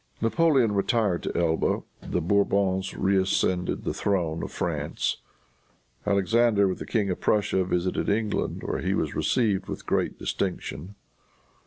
Napoleon retired to Elba. The Bourbons reascended the throne of France. Alexander, with the King of Prussia, visited England, where he was received with great distinction.